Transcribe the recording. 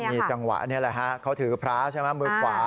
หัวจังหวะนี้เลยเขาถือพระใช่เปล่ามือขวา